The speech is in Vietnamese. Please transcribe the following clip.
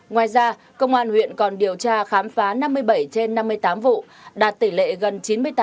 ngoài ra công an huyện còn điều tra khám phá năm mươi bảy trên năm mươi tám vụ đạt tỷ lệ gần chín mươi tám hai mươi bảy